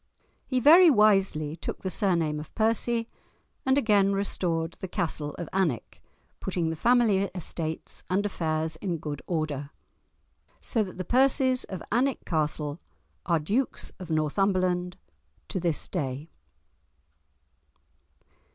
He very wisely took the surname of Percy, and again restored the castle of Alnwick, putting the family estates and affairs in good order. So that the Percies of Alnwick Castle are Dukes of Northumberland to this day.